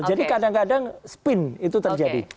jadi kadang kadang spin itu terjadi